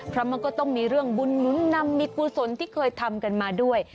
เพราะมันก็ต้องมีเรื่องบุญหนุนนำมีกุศลที่เคยทำกันมาด้วย